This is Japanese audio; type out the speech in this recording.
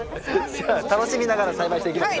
じゃあ楽しみながら栽培していきましょう。